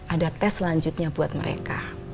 ada tes selanjutnya buat mereka